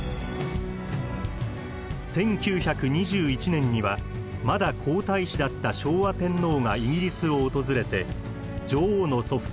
１９２１年にはまだ皇太子だった昭和天皇がイギリスを訪れて女王の祖父